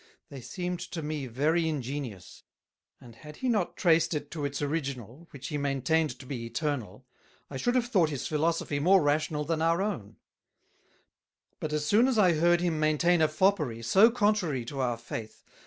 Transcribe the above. They seemed to me very ingenious; and had he not traced it to its Original, which he maintained to be Eternal, I should have thought his Philosophy more rational than our own: But as soon as I heard him maintain a Foppery[6b] so contrary to our Faith.